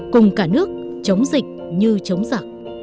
cùng cả nước chống dịch như chống giặc